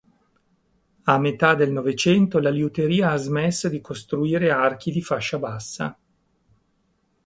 A metà del Novecento la liuteria ha smesso di costruire archi di fascia bassa.